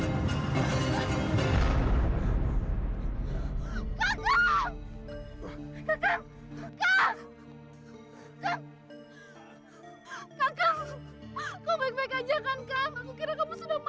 aku kira kamu sudah mati kak